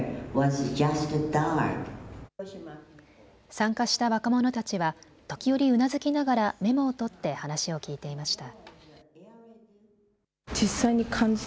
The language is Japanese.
参加した若者たちは時折、うなずきながらメモを取って話を聞いていました。